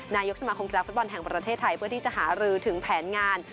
นายกสมาคมกีฬาฟุตบอลแห่งประเทศไทยเพื่อที่จะหารือถึงแผนงาน